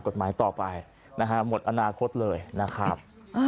กฎหมายต่อไปนะฮะหมดอนาคตเลยนะครับ